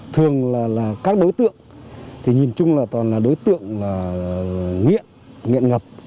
thường là các đối tượng thì nhìn chung là toàn là đối tượng nghiện ngập